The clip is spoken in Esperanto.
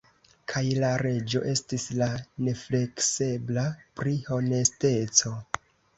Kaj la Reĝo estis ja nefleksebla pri honesteco.